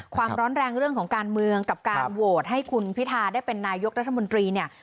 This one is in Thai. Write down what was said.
ความร้อนแรงเรื่องของการเมืองกับการโหวตให้คุณพิทาได้เป็นนายกรัฐมนตรีเนี่ย